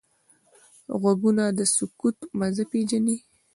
غوږونه د سکوت مزه پېژني